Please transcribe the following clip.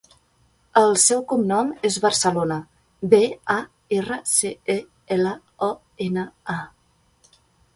El seu cognom és Barcelona: be, a, erra, ce, e, ela, o, ena, a.